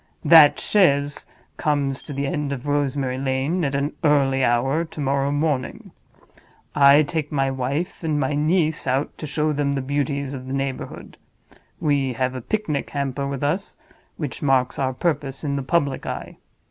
That chaise comes to the end of Rosemary Lane at an early hour to morrow morning. I take my wife and my niece out to show them the beauties of the neighborhood. We have a picnic hamper with us, which marks our purpose in the public eye.